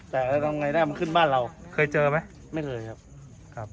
แต่ทำไงได้มันขึ้นบ้านเราเคยเจอไหมไม่เคยครับครับ